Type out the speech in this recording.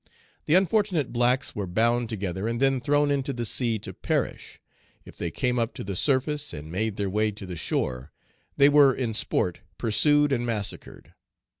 The unfortunate blacks were bound together and then thrown into the sea to perish; if they came up to the surface and made their way to the shore, they were in sport pursued and massacred.